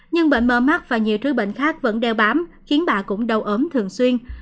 nhưng bệnh mơ mắt và nhiều thứ bệnh khác vẫn đeo bám khiến bà cũng đau ốm thường xuyên